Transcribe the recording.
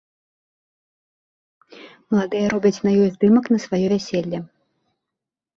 Маладыя робяць на ёй здымак на сваё вяселле.